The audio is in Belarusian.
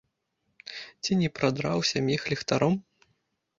Ці не прадраўся мех ліхтаром?